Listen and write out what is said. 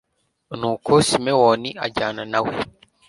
nuko simewoni ajyana na we